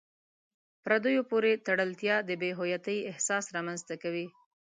پردیو پورې تړلتیا د بې هویتۍ احساس رامنځته کوي.